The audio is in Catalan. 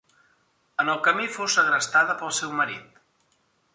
En el camí fou segrestada pel seu marit.